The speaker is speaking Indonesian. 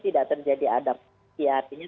tidak terjadi adaptasi artinya